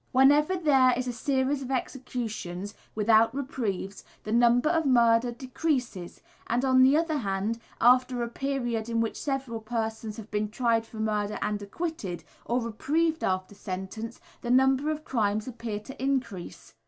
Whenever there is a series of executions, without reprieves, the number of murders decreases, and on the other hand, after a period in which several persons have been tried for murder and acquitted, or reprieved after sentence, the number of crimes appears to increase.